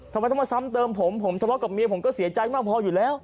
ทำไมต้องมาซ้ำเติมผมผมทะเลาะกับเมียผมก็เสียใจมากพออยู่แล้ว